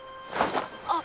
あっ！